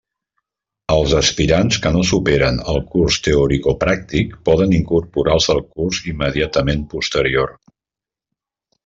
Els aspirants que no superen el curs teoricopràctic poden incorporar-se al curs immediatament posterior.